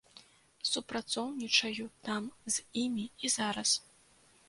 Супрацоўнічаю там з імі і зараз.